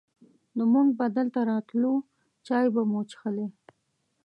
نو مونږ به دلته راتلو، چای به مو چښلې.